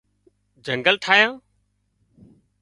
جنگل ٺاهيان